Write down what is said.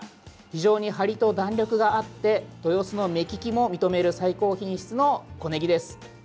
非常にハリと弾力があって豊洲の目利きも認める最高品質の小ねぎです。